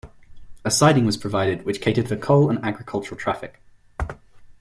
A siding was provided which catered for coal and agricultural traffic.